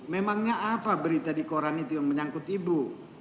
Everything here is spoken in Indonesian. memangnya apa berita di koran itu yang menyangkut ibu